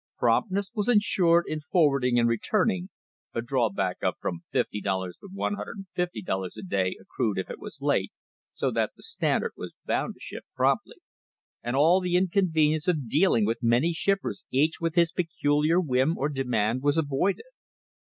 Promptness was insured in for warding and returning (a drawback of from fifty dollars to $150 a day accrued if it was late, so that the Standard was bound to ship promptly), and all the inconvenience of dealing with many shippers each with his peculiar whim or demand was avoided.